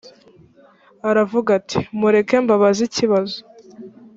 aravuga ati mureke mbabaze ikibazo